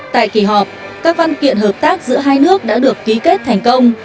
tại kỳ họp các văn kiện hợp tác giữa hai nước đã được ký kết thành công